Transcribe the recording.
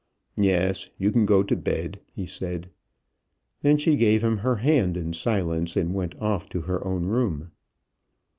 "Yes; you can go to bed," he said. Then she gave him her hand in silence, and went off to her own room.